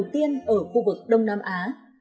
thiên ở khu vực đông nam á